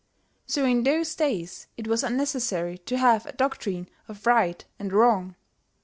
So in those days it was unnecessary to have a doctrine of right and wrong.